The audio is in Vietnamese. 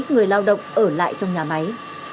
người lao động ở lại trong nhà máy